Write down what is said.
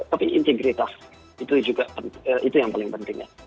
tapi integritas itu juga yang paling penting